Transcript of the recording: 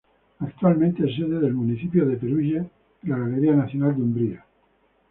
Actualmente es sede del municipio de Perugia y la Galería Nacional de Umbría.